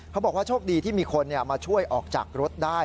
เขาบอกว่าโชคดีที่มีคนมาช่วยออกจากรถได้